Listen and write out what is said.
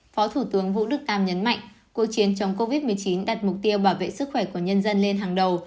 phó thủ tướng vũ đức đam nhấn mạnh cuộc chiến chống covid một mươi chín đặt mục tiêu bảo vệ sức khỏe của nhân dân lên hàng đầu